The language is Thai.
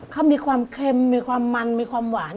เขามีความเค็มมีความมันมีความหวาน